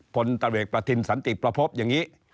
พลตเวกประทินสันติประพบอย่างนี้